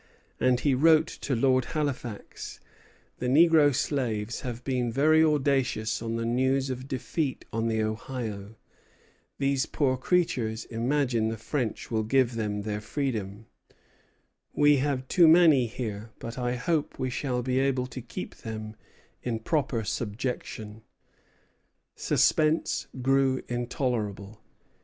And he wrote to Lord Halifax: "The negro slaves have been very audacious on the news of defeat on the Ohio. These poor creatures imagine the French will give them their freedom. We have too many here; but I hope we shall be able to keep them in proper subjection." Suspense grew intolerable.